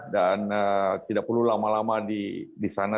dan tidak perlu lama lama di sana